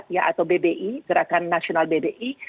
ya atau bbi gerakan nasional bbi